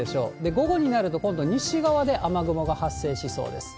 午後になると、今度は西側で雨雲が発生しそうです。